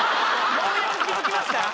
ようやく気づきました？